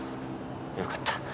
よかった。